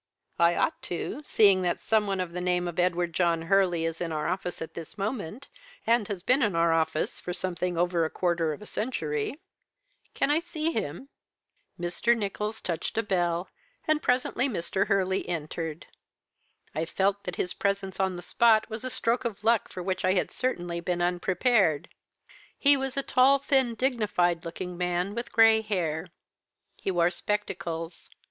"'I ought to, seeing that some one of the name of Edward John Hurley is in our office at this moment, and has been in our office for something over a quarter of a century.' "'Can I see him?' "Mr. Nicholls touched a bell, and presently Mr. Hurley entered. I felt that his presence on the spot was a stroke of luck for which I had certainly been unprepared. He was a tall, thin, dignified looking man, with grey hair. He wore spectacles.